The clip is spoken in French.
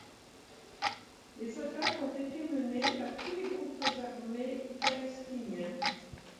Les attaques ont été menées par tous les groupes armés palestiniens.